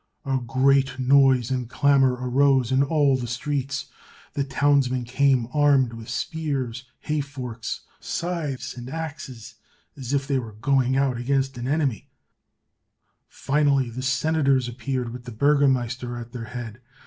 A great noise and clamour arose in all the streets, the townsmen came armed with spears, hay forks, scythes, and axes, as if they were going out against an enemy; finally, the senators appeared with the burgomaster at their head.